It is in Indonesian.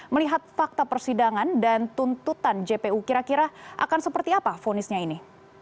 melihat fakta persidangan dan tuntutan jpu kira kira akan seperti apa fonisnya ini